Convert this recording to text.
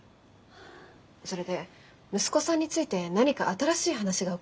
それで息子さんについて何か新しい話が伺えればと思いまして。